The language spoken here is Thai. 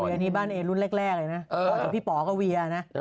เวียร์นี้บ้านเอรุ่นแรกเลยนะแต่พี่ป๋อก็เวียร์นะ